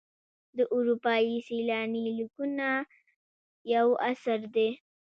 د اروپایي سیلاني لیکونه یو اثر دی.